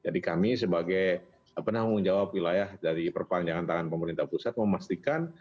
jadi kami sebagai penganggung jawa wilayah dari perpanjang panjang tangan pengguna pusat memastikan